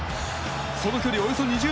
その距離およそ２０ｍ。